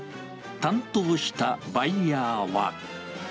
担当したバイヤーは。